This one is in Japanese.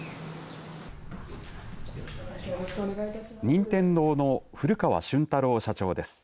任天堂の古川俊太郎社長です。